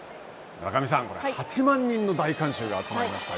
村上さん８万人の大観衆が集まりました。